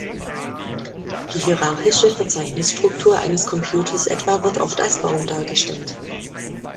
Die hierarchische Verzeichnisstruktur eines Computers etwa wird oft als Baum dargestellt.